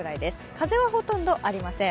風はほとんどありません。